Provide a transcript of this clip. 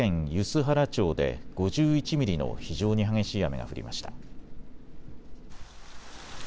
梼原町で５１ミリの非常に激しい雨が降りました。